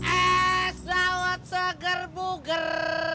eh sawat seger buger